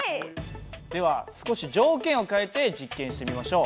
では少し条件を変えて実験してみましょう。